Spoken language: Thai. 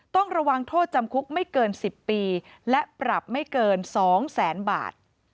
ต้องระวังโทษจำคุกไม่เกิน๑๐ปีและปรับไม่เกิน๒แสนบาท